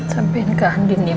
sampai ke andin ya